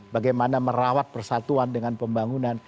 bagaimana merawat persatuan dengan pembangunan